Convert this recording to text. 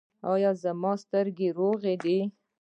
ایا زما سترګې روغې دي؟